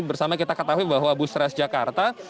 bersama kita ketahui bahwa bus trans jakarta